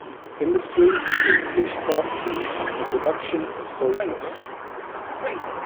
Industry includes fish processing and the production of soy sauce.